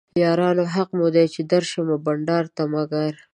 یارانو حق مو دی چې درشمه بنډار ته مګر